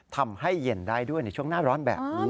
ทำให้เย็นได้ด้วยในช่วงหน้าร้อนแบบนี้